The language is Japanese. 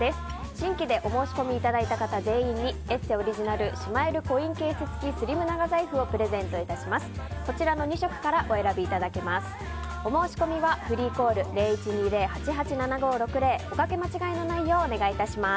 新規でお申し込みいただいた方全員に「ＥＳＳＥ」オリジナルしまえるコインケース付きスリム長財布をプレゼントいたします。